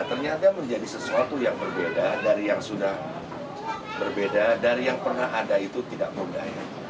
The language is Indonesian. ternyata menjadi sesuatu yang berbeda dari yang sudah berbeda dari yang pernah ada itu tidak mudah